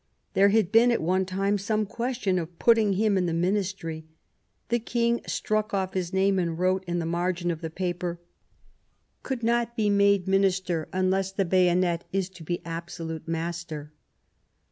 There had been at one time some question of putting him in the Ministry ; the King struck off his name, and wrote in the margin of the paper :" Could not be made 31 Bismarck Minister unless the bayonet is to be absolute master."